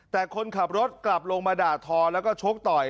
แต่คนขับรถกลับลงมาด่าทอแล้วก็ชกต่อย